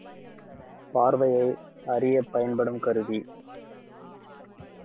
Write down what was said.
பார்வையை அறியப் பயன்படும் கருவி.